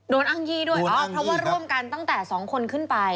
อ้างยี่ด้วยอ๋อเพราะว่าร่วมกันตั้งแต่๒คนขึ้นไป